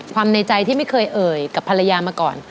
ในใจที่ไม่เคยเอ่ยกับภรรยามาก่อน